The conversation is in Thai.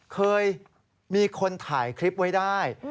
เคยมีคนถ่ายคลิปไว้ได้